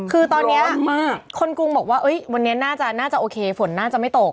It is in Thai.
คือตอนนี้คนกรุงบอกว่าวันนี้น่าจะโอเคฝนน่าจะไม่ตก